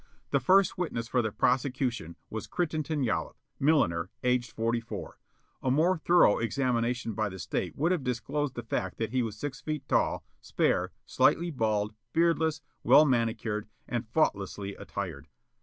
The first witness for the prosecution was Crittenden Yollop, milliner, aged 44. A more thorough examination by the State would have disclosed the fact that he was six feet tall, spare, slightly bald, beardless, well manicured, and faultlessly attired.